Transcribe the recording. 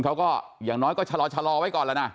เขาก็อย่างน้อยก็ชะลอไว้ก่อนละนะ